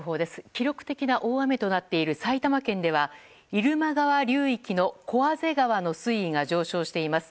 記録的な大雨となっている埼玉県では入間川流側の小畔川の水位が上昇しています。